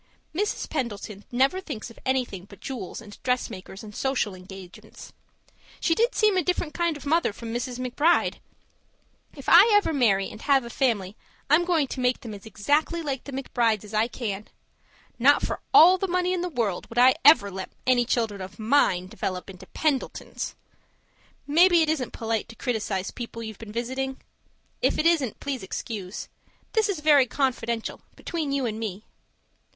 Mrs. Pendleton never thinks of anything but jewels and dressmakers and social engagements. She did seem a different kind of mother from Mrs. McBride! If I ever marry and have a family, I'm going to make them as exactly like the McBrides as I can. Not for all the money in the world would I ever let any children of mine develop into Pendletons. Maybe it isn't polite to criticize people you've been visiting? If it isn't, please excuse. This is very confidential, between you and me.